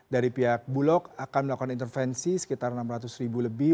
dari pihak bulog akan melakukan intervensi sekitar enam ratus ribu lebih